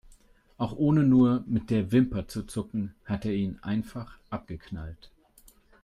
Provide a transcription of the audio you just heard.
Ohne auch nur mit der Wimper zu zucken, hat er ihn einfach abgeknallt.